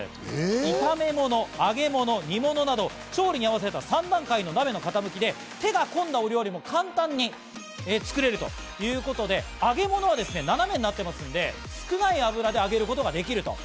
炒め物、揚げ物、煮物など、調理に合わせた３段階の鍋の傾きで手の込んだお料理も簡単に作れるということで、揚げ物は斜めになってますので少ない油で揚げることができる。